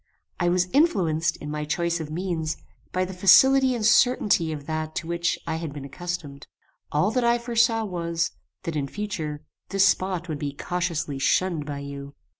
I was influenced, in my choice of means, by the facility and certainty of that to which I had been accustomed. All that I forsaw was, that, in future, this spot would be cautiously shunned by you.